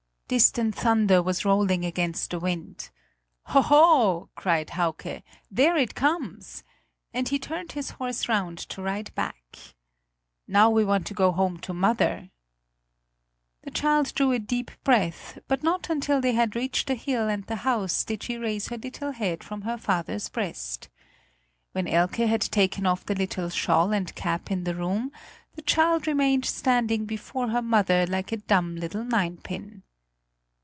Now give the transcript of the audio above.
Distant thunder was rolling against the wind. "Hoho!" cried Hauke, "there it comes!" And he turned his horse round to ride back. "Now we want to go home to mother!" The child drew a deep breath; but not until they had reached the hill and the house did she raise her little head from her father's breast. When Elke had taken off the little shawl and cap in the room, the child remained standing before her mother like a dumb little ninepin.